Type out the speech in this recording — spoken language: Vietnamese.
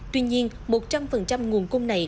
tuy nhiên một trăm linh nguồn cung này